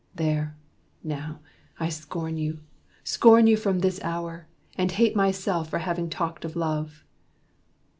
There, now, I scorn you scorn you from this hour, And hate myself for having talked of love!"